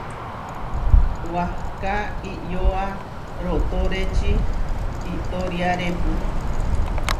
Wahká iʼyoa rootóreči iʼtoriarepu.